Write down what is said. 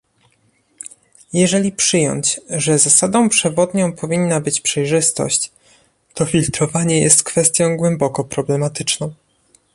Jeżeli przyjąć, że zasadą przewodnią powinna być przejrzystość, to filtrowanie jest kwestią głęboko problematyczną